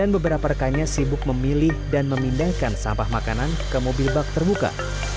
beberapa rekannya sibuk memilih dan memindahkan sampah makanan ke mobil bak terbuka